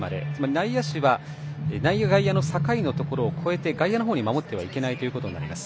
内野手は内野、外野の境を越えて外野の方に守ってはいけないということになります。